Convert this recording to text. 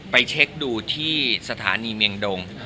เช็คดูที่สถานีเมียงดง